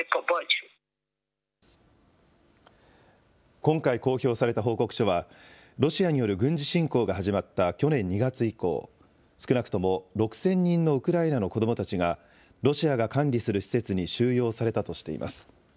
今回、公表された報告書は、ロシアによる軍事侵攻が始まった去年２月以降、少なくとも６０００人のウクライナの子どもたちが、ロシアが管理する施設に収容されたとしています。